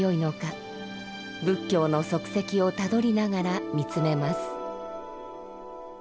仏教の足跡をたどりながら見つめます。